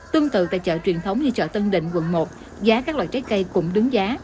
tương tự tại chợ truyền thống như chợ tân định quận một giá các loại trái cây cũng đứng giá